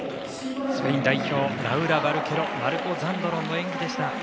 スペイン代表、ラウラ・バルケロマルコ・ザンドロンの演技でした。